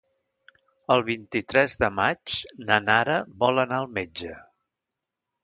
El vint-i-tres de maig na Nara vol anar al metge.